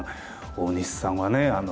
大西さんはね